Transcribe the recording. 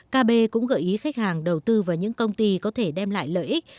kb cũng gợi ý khách hàng đầu tư vào những công ty có thể đem lại lợi ích